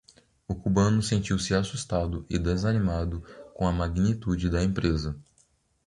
O cubano sentiu-se assustado e desanimado com a magnitude da empresa.